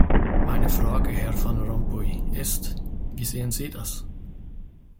Meine Frage, Herr Van Rompuy, ist, wie sehen Sie das?